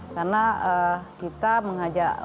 karena kita mengajak